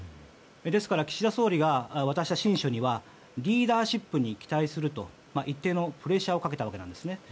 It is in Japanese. ですから岸田総理が渡した親書にはリーダーシップに期待すると一定のプレッシャーをかけたわけです。